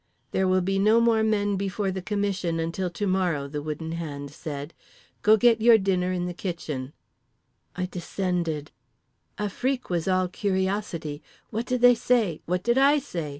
"There will be no more men before the commission until to morrow," the Wooden Hand said. "Go get your dinner in the kitchen." I descended. Afrique was all curiosity—what did they say? what did I say?